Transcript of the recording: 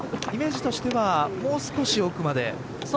イメージとしてはもう少し奥まで。